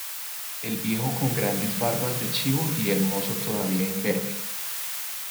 el viejo con grandes barbas de chivo, y el mozo todavía imberbe.